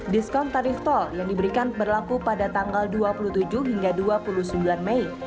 diskon tarif tol yang diberikan berlaku pada tanggal dua puluh tujuh hingga dua puluh sembilan mei